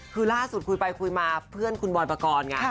คือล่าสุดคุยไปคุยมาเพื่อนคุณบอยปกรณ์ไง